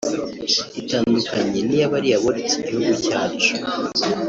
itandukanye n’iya bariya boretse igihugu cyacu